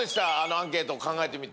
アンケート考えてみて。